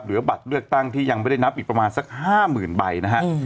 บัตรเลือกตั้งที่ยังไม่ได้นับอีกประมาณสัก๕๐๐๐ใบนะฮะ